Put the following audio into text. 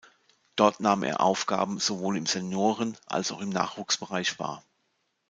Dort nahm er Aufgaben sowohl im Senioren- als auch im Nachwuchsbereich wahr.